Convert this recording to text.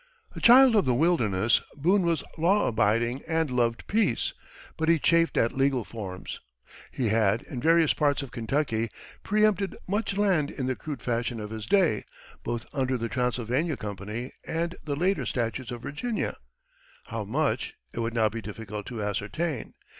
A child of the wilderness, Boone was law abiding and loved peace, but he chafed at legal forms. He had, in various parts of Kentucky, preempted much land in the crude fashion of his day, both under the Transylvania Company and the later statutes of Virginia how much, it would now be difficult to ascertain.